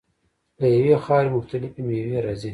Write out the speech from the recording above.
له یوې خاورې مختلفې میوې راځي.